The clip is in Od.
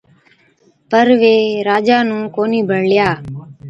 پَر وي راجا نُون ڪونهِي بڻلِيا،